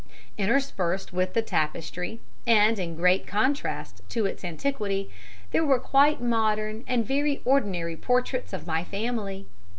"Interspersed with the tapestry and in great contrast to its antiquity were quite modern and very ordinary portraits of my family.